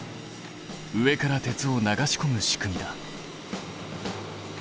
上から鉄を流しこむ仕組みだ。